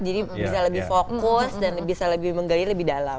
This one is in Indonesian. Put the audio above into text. jadi bisa lebih fokus dan bisa lebih menggali lebih dalam